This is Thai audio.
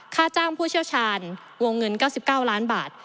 ค่าจ้างผู้เชี่ยวชาญวงเงิน๙๙ล้านบาท